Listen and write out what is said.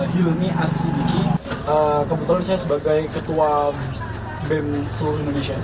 hilmi a sidiki kebetulan saya sebagai ketua bem seluruh indonesia